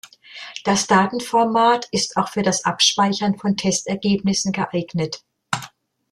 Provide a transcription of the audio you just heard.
Das Datenformat ist auch für das Abspeichern von Testergebnissen geeignet.